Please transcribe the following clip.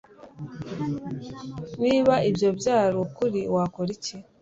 Niba ibyo byari ukuri wakora iki